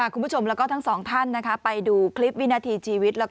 คุณผู้ชมแล้วก็ทั้งสองท่านไปดูคลิปวินาทีชีวิต